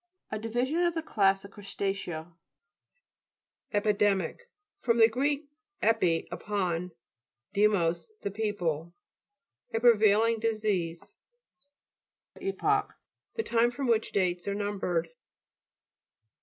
A division of the class of crust a'cea. E'OCE'NE (p. 78). EPIDEMIC fr. gr. epi, upon, de mos, the people. A prevailing dis E'pocH The time from which dates are numbered.